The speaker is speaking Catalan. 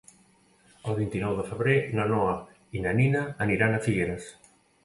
El vint-i-nou de febrer na Noa i na Nina aniran a Figueres.